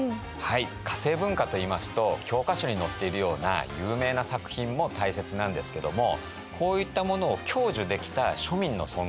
化政文化といいますと教科書に載っているような有名な作品も大切なんですけどもこういったものを享受できた庶民の存在。